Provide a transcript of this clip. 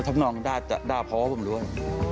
ทำหน่อยความด้ายพอไป